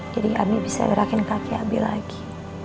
jadi abi bisa gerakin kaki abi lagi